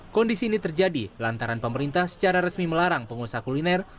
kondisi ini terjadi lantaran pemerintah secara resmi melarang pengusaha kuliner